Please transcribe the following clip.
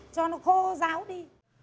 cho nó khô ráo đi